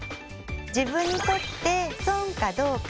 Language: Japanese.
自分にとって損かどうか。